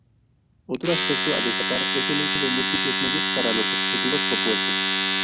Otro aspecto a destacar, es el uso de múltiples medios para los objetivos propuestos.